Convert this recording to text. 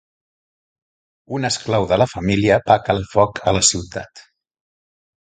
Un esclau de la família va calar foc a la ciutat.